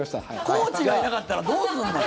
コーチがいなかったらどうすんの。